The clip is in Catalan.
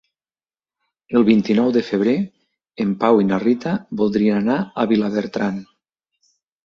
El vint-i-nou de febrer en Pau i na Rita voldrien anar a Vilabertran.